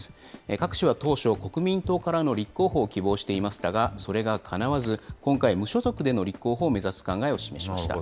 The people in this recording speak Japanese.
郭氏は当初、国民党からの立候補を希望していましたが、それがかなわず、今回、無所属での立候補を目指す考えを示しました。